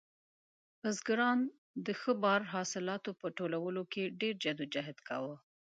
بزګران د ښه بار حاصلاتو په ټولولو کې ډېر جد او جهد کاوه.